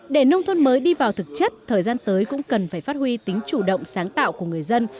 để nông thôn mới đi vào thực chất thời gian tới cũng cần phải phát huy tính chủ động sáng tạo của người dân